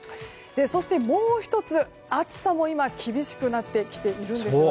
そしてもう１つ、暑さも厳しくなってきているんです。